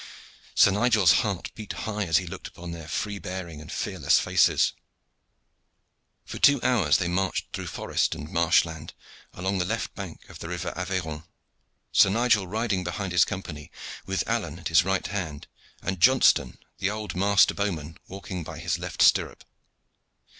Sir Nigel's heart beat high as he looked upon their free bearing and fearless faces. For two hours they marched through forest and marshland, along the left bank of the river Aveyron; Sir Nigel riding behind his Company, with Alleyne at his right hand, and Johnston, the old master bowman, walking by his left stirrup.